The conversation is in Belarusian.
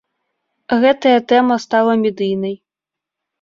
Гэтая тэма стала медыйнай.